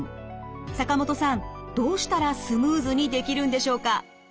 坂本さんどうしたらスムーズにできるんでしょうか？